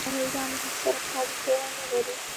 آیا ایران له هند سره ښه اړیکې نلري؟